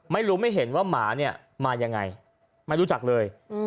ไม่รู้ไม่เห็นว่าหมาเนี่ยมายังไงไม่รู้จักเลย